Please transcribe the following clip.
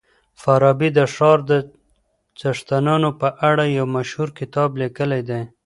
فارابي د ښار د څښتنانو په اړه يو مشهور کتاب ليکلی دی.